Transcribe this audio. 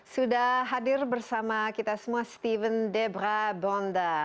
sudah hadir bersama kita semua steven debra bonda